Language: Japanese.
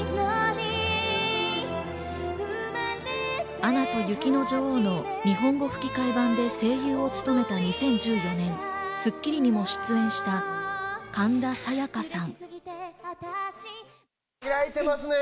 『アナと雪の女王』の日本語吹替版で声優を務めた２０１４年、『スッキリ』にも出演した神田沙也加さん。